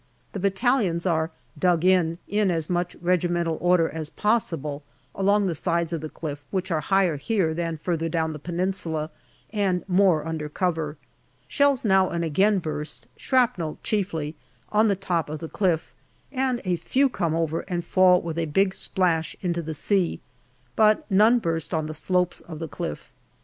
The battalions are " dug in " in as much regimental order as possible along the sides of the cliff, which are higher here than further down the Peninsula, and more under cover. Shells now and again burst, shrapnel chiefly, on the top of the cliff, and a few come over and fall with a big splash into the sea, but none burst on the slopes of the cliff.